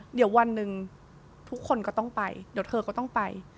เดี๋ยววันหนึ่งทุกคนก็ต้องไปเดี๋ยวเธอก็ต้องไป